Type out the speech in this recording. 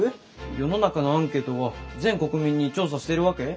世の中のアンケートは全国民に調査してるわけ？